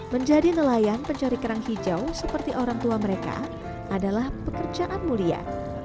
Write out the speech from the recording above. menjadi nelayan pencari kerang hijau seperti orang tua mereka adalah pekerjaan mulia